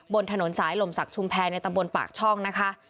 บนถนนสายลมศักดิชุมแพรในตำบลปากช่องนะคะ